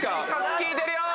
「聞いてるよー」